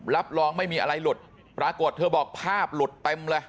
รับรองไม่มีอะไรหลุดปรากฏเธอบอกภาพหลุดเต็มเลย